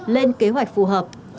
lên kế hoạch phù hợp